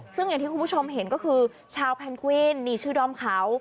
ซึ่งอย่างที่คุณผู้ชมเห็นก็คือชาวแพนกวินนี่ชื่อด้อมเขา